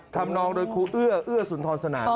ทำน้องโดยครูเอื่อเอื่อศุนธรสนา